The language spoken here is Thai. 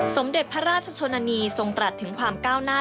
สมเด็จพระราชชนนานีทรงตรัสถึงความก้าวหน้า